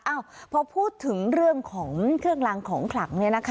พอพูดถึงเรื่องของเครื่องลางของขลัง